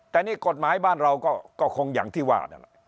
แต่นี่กฎหมายบ้านเราก็คงอย่างที่ว่า